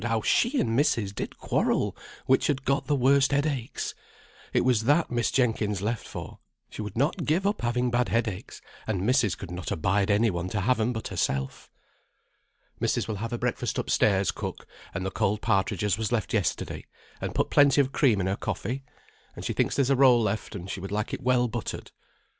how she and missis did quarrel which had got the worst headaches; it was that Miss Jenkins left for; she would not give up having bad headaches, and missis could not abide any one to have 'em but herself." "Missis will have her breakfast up stairs, cook, and the cold partridge as was left yesterday, and put plenty of cream in her coffee, and she thinks there's a roll left, and she would like it well buttered."